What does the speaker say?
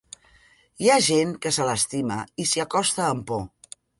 Hi ha gent que se l'estima i s'hi acosta amb por.